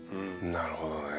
なるほどね。